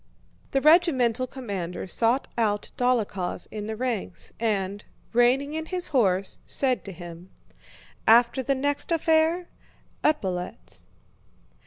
The regimental commander sought out Dólokhov in the ranks and, reining in his horse, said to him: "After the next affair... epaulettes."